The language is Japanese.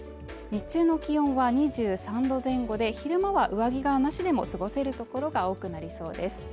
日中の気温は２３度前後で昼間は上着なしでも過ごせる所が多くなりそうです